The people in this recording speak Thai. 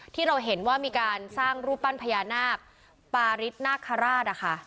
ที่เราเห็นว่ามีการสร้างรูปปั้นพญานาคปาริสนาคาราช